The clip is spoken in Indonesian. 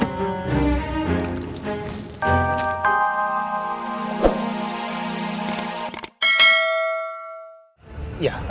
tidak ada apa apa